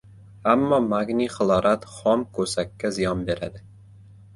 Ammo magniy xlorat xom ko‘sakka ziyon beradi.